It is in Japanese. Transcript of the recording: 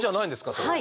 それは。